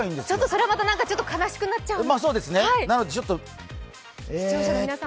それはちょっとまた悲しくなっちゃう。